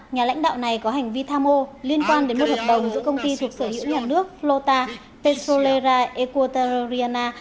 nhà lãnh đạo này có hành vi tham ô liên quan đến một hợp đồng giữa công ty thuộc sở hữu nhà nước flota pesolera equatoriana